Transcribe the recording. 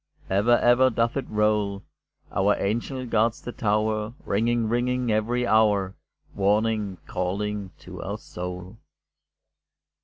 Ever, ever, doth it roll, Our angel guards the tower, Ringing, ringing, every hour, Warning, calling to our soul.